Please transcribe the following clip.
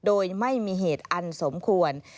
โดยไม่มีเหตุอันสมควร